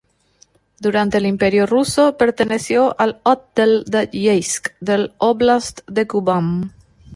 Durante el Imperio ruso perteneció al otdel de Yeisk del óblast de Kubán.